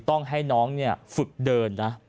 ต้องให้น้องเนี่ยฝึกเดิน